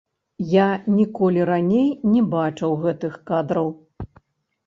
Я ніколі раней не бачыў гэтых кадраў.